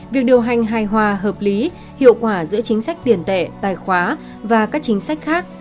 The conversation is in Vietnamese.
việc điều hành hài hòa hợp lý hiệu quả giữa chính sách tiền tệ tài khóa và các chính sách khác